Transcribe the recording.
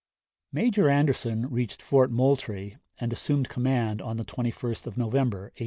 p. 76. Major Anderson reached Fort Moultrie and assumed command on the 21st of November, 1860.